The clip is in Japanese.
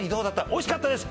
「おいしかったです」